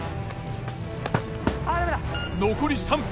残り３分。